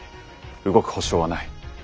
動く保証はない。